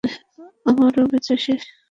আমারও বেচা শেষ।